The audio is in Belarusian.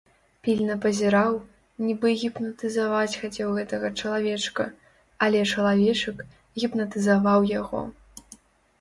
Пільна пазіраў, нібы гіпнатызаваць хацеў гэтага чалавечка, але чалавечак гіпнатызаваў яго.